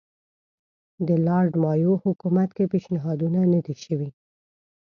د لارډ مایو حکومت کې پېشنهادونه نه دي شوي.